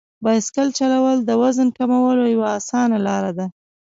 بایسکل چلول د وزن کمولو یوه اسانه لار ده.